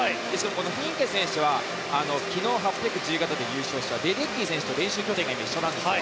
フィンケ選手は昨日、８００ｍ自由形で優勝したレデッキー選手と練習拠点が一緒なんですよ。